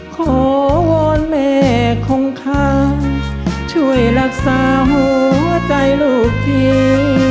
ขอวอนแม่ของข้าช่วยรักษาหัวใจลูกดี